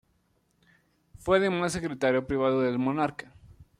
Fue además secretario privado del monarca.